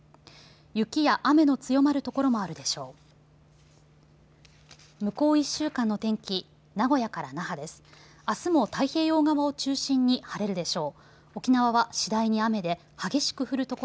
雪や雨の強まる所もあるでしょう。